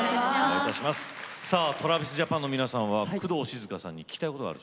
さあＴｒａｖｉｓＪａｐａｎの皆さんは工藤静香さんに聞きたいことがある？